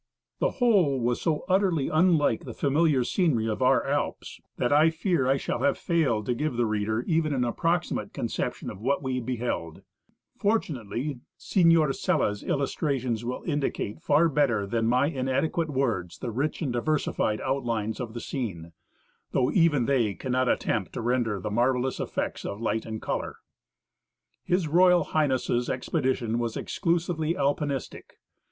The whole was so utterly unlike the familiar scenery of our Alps, that I fear I shall have failed to give the reader even an approximate conception of what we beheld. Fortunately, Signor Sella's illustrations will indicate far better than my inadequate words the rich and diver viii FRANCKSCO GONEl.LA. PREFACE sified outlines of the scene, though even they cannot attempt to render the marvellous effects of light and colour. His Royal Highness's expedition was exclusively Alpinistic.